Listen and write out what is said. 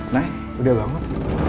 nay udah bangun